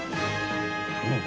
うん。